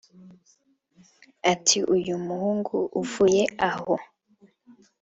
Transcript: Ati uyu muhungu uvuye aho